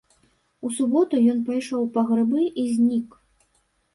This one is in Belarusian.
У суботу ён пайшоў па грыбы і знік.